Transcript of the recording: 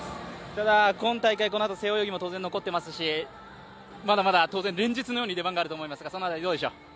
ただ今大会、このあと背泳ぎも残ってますしまだまだ当然連日のように出番があると思いますが。